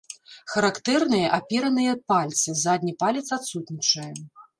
Характэрныя апераныя пальцы, задні палец адсутнічае.